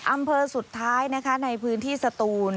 อำเภอสุดท้ายนะคะในพื้นที่สตูน